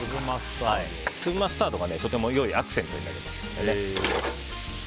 粒マスタードがとても良いアクセントになりますので。